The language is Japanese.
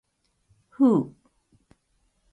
ふう。